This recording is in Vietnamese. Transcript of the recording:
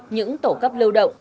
những tổ cấp lưu động